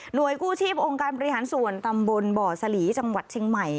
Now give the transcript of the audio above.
โดยกู้ชีพองค์การบริหารส่วนตำบลบ่อสลีจังหวัดเชียงใหม่